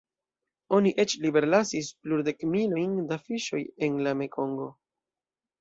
Oni eĉ liberlasis plurdekmilojn da fiŝoj en la Mekongo.